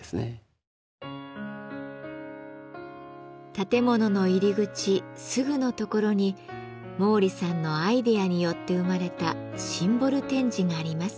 建物の入り口すぐのところに毛利さんのアイデアによって生まれたシンボル展示があります。